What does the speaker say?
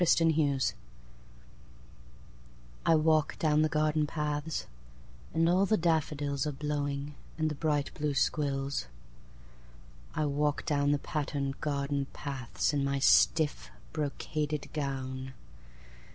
Patterns I WALK down the garden paths, And all the daffodilsAre blowing, and the bright blue squills.I walk down the patterned garden pathsIn my stiff, brocaded gown.